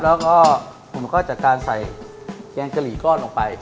แล้วก็ผมก็จัดการใส่แกงกะหรี่ก้อนลงไป